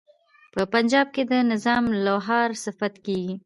په پنجاب کې د نظام لوهار صفت کیږي.